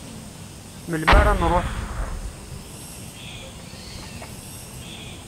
Melmi ara nruḥ?